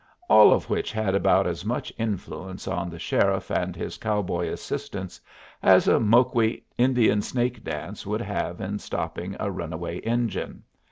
all of which had about as much influence on the sheriff and his cowboy assistants as a Moqui Indian snake dance would have in stopping a runaway engine.